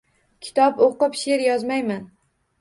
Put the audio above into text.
Kitob o‘qib she’r yozmayman.